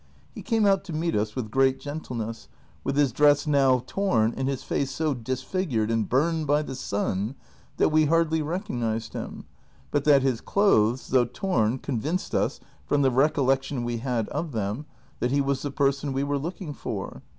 He came out to meet us Avith great gentleness, wdth his dress noAV torn and his face so disfigured and burned by the sun, that Ave hardly recognized him but that his clothes, though torn, con vinced us, from the recollection Ave had of them, that he Avas the person Ave were looking for.